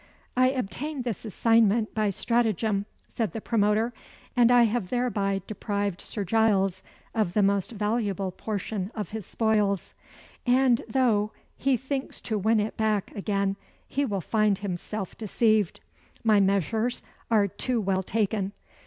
"I obtained this assignment by stratagem," said the promoter; "and I have thereby deprived Sir Giles of the most valuable portion of his spoils; and though; he thinks to win it back again, he will find himself deceived. My measures are too well taken.